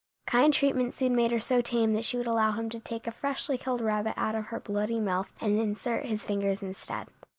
Kind treatment soon made her so tame that she would allow him to take a freshly killed rabbit out of her bloody mouth and insert his fingers instead.